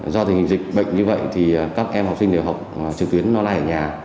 do tình hình dịch bệnh như vậy thì các em học sinh đều học trực tuyến online ở nhà